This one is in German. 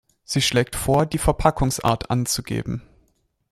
Sie schlägt vor, die Verpackungsart anzugeben.